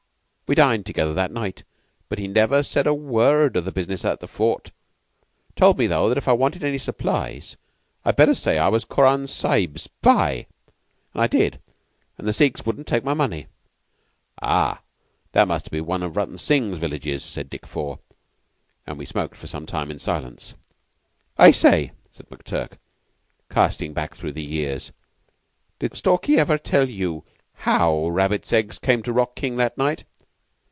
We dined together that night, but he never said a word of the business at the Fort. Told me, though, that if I wanted any supplies I'd better say I was Koran Sahib's bhai; and I did, and the Sikhs wouldn't take my money." "Ah! That must have been one of Rutton Singh's villages," said Dick Four; and we smoked for some time in silence. "I say," said McTurk, casting back through the years, "did Stalky ever tell you how Rabbits Eggs came to rock King that night?"